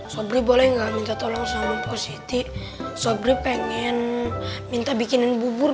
sobrin boleh nggak minta tolong sebelum pak setan sobrin pengen minta bikinin bubur